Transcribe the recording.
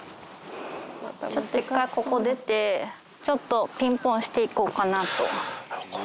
ちょっと一回ここ出て、ちょっとピンポンしていこうかなと。